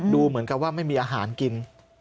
เหมือนกับว่าไม่มีอาหารกิน